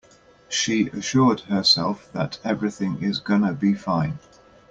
She assured herself that everything is gonna be fine.